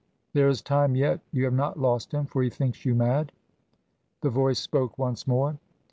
There is time yet, you have not lost him, for he thinks you mad. The voice spoke once more.